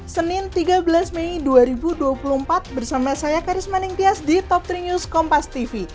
senin tiga belas mei dua ribu dua puluh empat bersama saya karisma ningtyas di top tiga news kompas tv